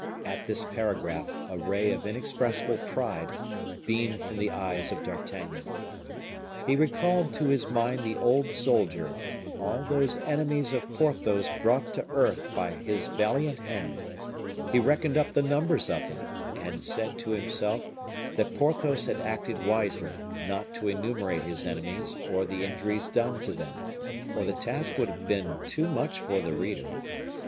At this paragraph, a ray of inexpressible pride beamed from the eyes of D'Artagnan. He recalled to his mind the old soldier; all those enemies of Porthos brought to earth by his valiant hand; he reckoned up the numbers of them, and said to himself that Porthos had acted wisely, not to enumerate his enemies or the injuries done to them, or the task would have been too much for the reader.